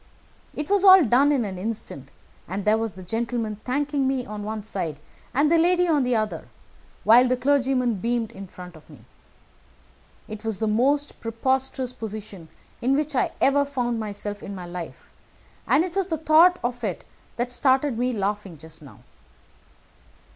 It was all done in an instant, and there was the gentleman thanking me on the one side and the lady on the other, while the clergyman beamed on me in front. It was the most preposterous position in which I ever found myself in my life, and it was the thought of it that started me laughing just now.